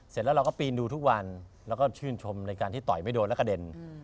เสร็จแล้วเราก็ปีนดูทุกวันแล้วก็ชื่นชมในการที่ต่อยไม่โดนแล้วกระเด็น